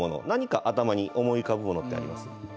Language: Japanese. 何か頭に思い浮かぶものってあります？